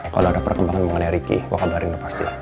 kalau ada perkembangan mengenai riki gue kabarin lo pasti